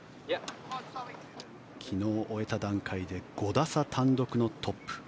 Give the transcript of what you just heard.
昨日終えた段階で５打差、単独のトップ。